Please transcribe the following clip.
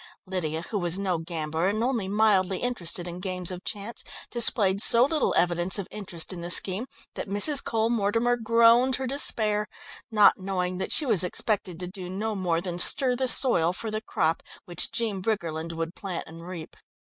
Lydia, who was no gambler and only mildly interested in games of chance, displayed so little evidence of interest in the scheme that Mrs. Cole Mortimer groaned her despair, not knowing that she was expected to do no more than stir the soil for the crop which Jean Briggerland would plant and reap.